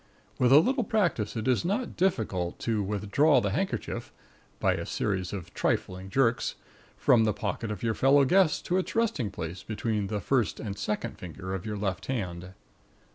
With a little practice it is not difficult to withdraw the handkerchief, by a series of trifling jerks, from, the pocket of your fellow guest to its resting place between the first and second finger of your left hand.